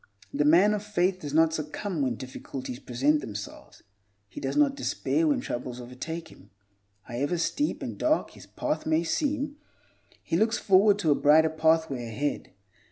The man of faith does not succumb when difficulties present themselves; he does not despair when troubles overtake him. However steep and dark his path may seem, he looks forward to a brighter pathway ahead.